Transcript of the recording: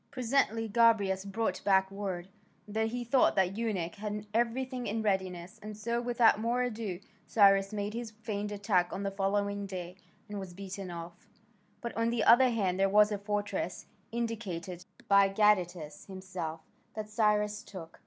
Presently Gobryas brought back word that he thought the eunuch had everything in readiness, and so, without more ado, Cyrus made his feigned attack on the following day, and was beaten off. But on the other hand there was a fortress, indicated by Gadatas himself, that Cyrus took.